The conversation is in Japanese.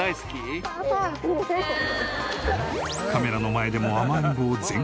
カメラの前でも甘えん坊全開！